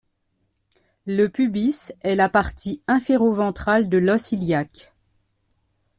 Le pubis est la partie inféro-ventrale de l'os iliaque.